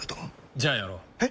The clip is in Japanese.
じゃあやろう。え？